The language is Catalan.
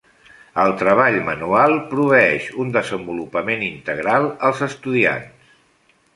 El treball manual proveeix un desenvolupament integral als estudiants.